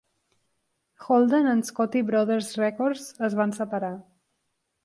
Holden and Scotti Brothers Records es van separar.